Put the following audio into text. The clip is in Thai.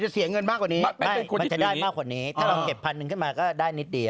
จะเสียเงินมากกว่านี้